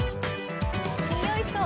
よいしょ。